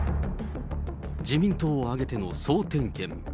自民党を挙げての総点検。